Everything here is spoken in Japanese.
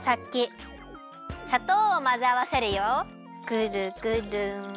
ぐるぐる。